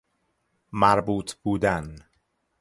مربوط بودن